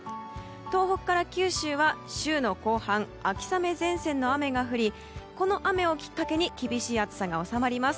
東北から九州は週の後半秋雨前線の雨が降りこの雨をきっかけに厳しい暑さが収まります。